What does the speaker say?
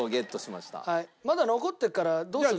まだ残ってるからどうする？